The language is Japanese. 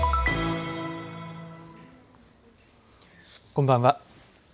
こんばんは。